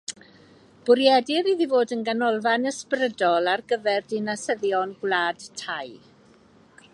Bwriedir iddi fod yn ganolfan ysbrydol ar gyfer dinasyddion Gwlad Thai.